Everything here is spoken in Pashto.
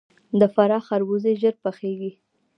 د فراه خربوزې ژر پخیږي.